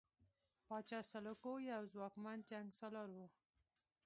پاچا سلوکو یو ځواکمن جنګسالار وو.